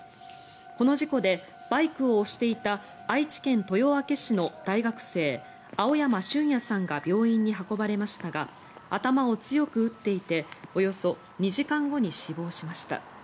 この事故で、バイクを押していた愛知県豊明市の大学生青山舜弥さんが病院に運ばれましたが頭を強く打っていておよそ２時間後に死亡しました。